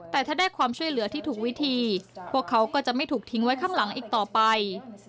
แต่ถ้าได้ความช่วยเหลือที่ถูกวิธีพวกเขาก็จะไม่ถูกทิ้งไว้ข้างหลังอีกต่อไป